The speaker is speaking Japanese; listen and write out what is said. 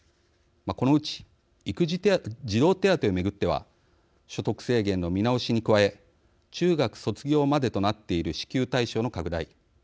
このうち、児童手当を巡っては所得制限の見直しに加え中学卒業までとなっている支給対象の拡大。